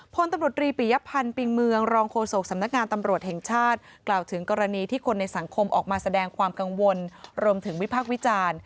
พลตำรวจรีปิยพันธ์ปิงเมืองรองโฆษกสำนักงานตำรวจแห่งชาติกล่าวถึงกรณีที่คนในสังคมออกมาแสดงความกังวลรวมถึงวิพากษ์วิจารณ์